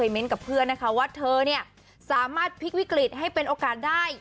เน้นกับเพื่อนนะคะว่าเธอเนี่ยสามารถพลิกวิกฤตให้เป็นโอกาสได้